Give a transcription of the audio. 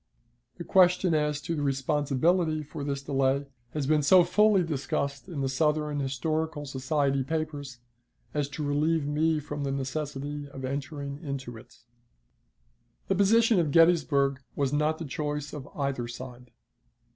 The question as to the responsibility for this delay has been so fully discussed in the Southern Historical Society papers as to relieve me from the necessity of entering into it. The position at Gettysburg was not the choice of either side.